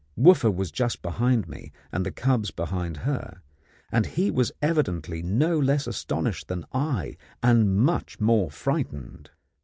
Wooffa was just behind me, and the cubs behind her, and he was evidently no less astonished than I, and much more frightened.